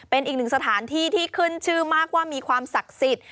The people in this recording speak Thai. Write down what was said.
เป็นอีกหนึ่งสถานที่ที่ขึ้นชื่อมากว่ามีความศักดิ์สิทธิ์